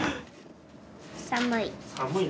寒い。